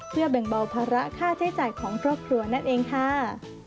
เพื่อแบ่งเบาภาระค่าใช้จ่ายของครอบครัวนั่นเองค่ะ